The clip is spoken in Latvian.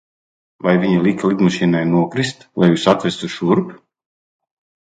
Vai viņi lika lidmašīnai nokrist, lai atvestu jūs šurp?